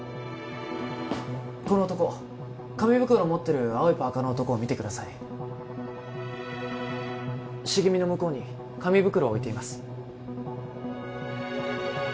この男紙袋を持ってる青いパーカーの男を見てください茂みの向こうに紙袋を置いています